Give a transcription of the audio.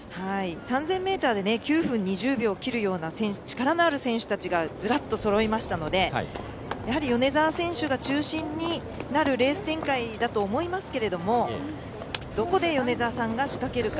３０００ｍで９分２０秒を切るような力のある選手たちがずらっとそろいましたのでやはり米澤選手が中心になるレース展開だと思いますけどもどこで米澤さんが仕掛けるか。